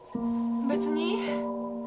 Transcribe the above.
別に。